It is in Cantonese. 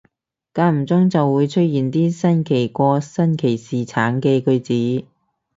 間唔中就會出現啲新奇過新奇士橙嘅句子